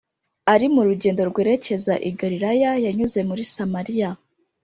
ari mu rugendo rwerekeza i Galilaya, yanyuze muri Samariya.